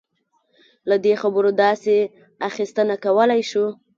له دې خبرو داسې اخیستنه کولای شو.